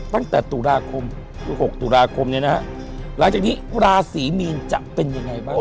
ตั้งแต่ตุลาคมคือ๖ตุลาคมเนี่ยนะฮะหลังจากนี้ราศีมีนจะเป็นยังไงบ้าง